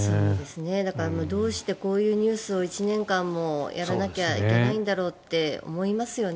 だからどうしてこういうニュースを１年間もやらなきゃいけないんだろうって思いますよね。